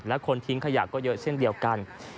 และคนทิ้งขยะก็เยอะเช่นเดียวกัน